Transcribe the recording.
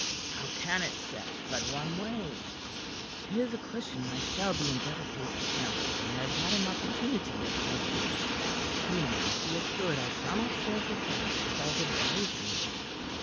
"How can it set but one way?" "'Tis a question I shall be in better case to answer when I have had an opportunity of judging. Meanwhile, be assured I shall not sail for France without advising you.